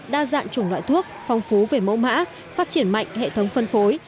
đa dạng chủng loại thuốc phong phú về mẫu mã phát triển mạnh hệ thống phân phối